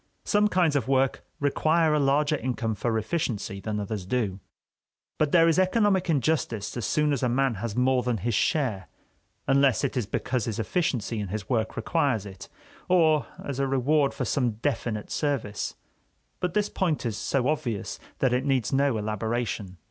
Some kinds of work require a larger income for efficiency than others do; but there is economic injustice as soon as a man has more than his share, unless it is because his efficiency in his work requires it, or as a reward for some definite service. But this point is so obvious that it needs no elaboration.